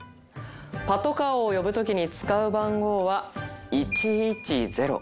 パトカーを呼ぶ時に使う番号は１１０